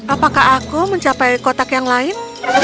apakah aku mencapai kotak yang lain